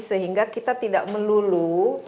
sehingga kita tidak melulu